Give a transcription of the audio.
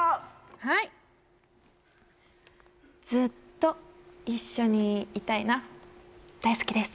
はいずっと一緒にいたいな大好きです